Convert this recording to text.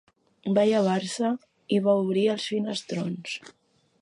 Va llevar-se, i va obrir els finestrons